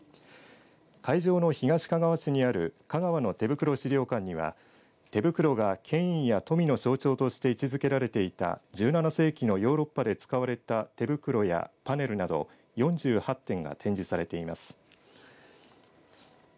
会場の東かがわ市にある香川のてぶくろ資料館には手袋が権威や富の象徴として位置づけられていた１７世紀のヨーロッパで使われた手袋やパネルなど４８点が展示されています。